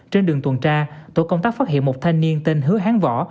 trên đường tuần tra tổ công tác phát hiện một thanh niên tên hứa hán võ